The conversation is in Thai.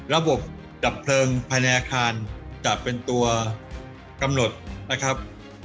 ระบบดับเพลิงภายในอาคารจะเป็นตัวกำหนดนะครับ